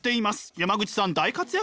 山口さん大活躍！